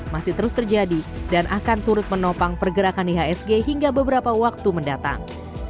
masih terus terjadi dan akan turut menopang pergerakan ihsg hingga beberapa waktu mendatang